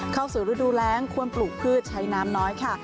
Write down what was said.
เข้าสู่ฤดูแรงควรปลูกพืชใช้น้ำน้อยค่ะ